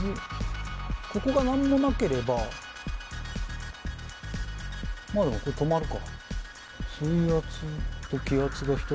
ここが何にもなければまあでも止まるか。